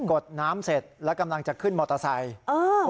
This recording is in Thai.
ดน้ำเสร็จแล้วกำลังจะขึ้นมอเตอร์ไซค์